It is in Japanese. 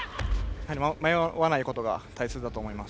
迷わないことが大切だと思います。